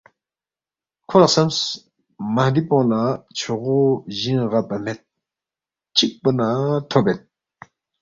کھو لا خسمس مہدی پونگ لا چھوغو جینگ غا پا مید چکپو نا تھوبید۔